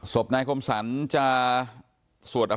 สวบนายคมสรรจะสวดอภิกษ์